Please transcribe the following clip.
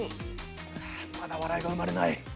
まだ笑いが生まれない。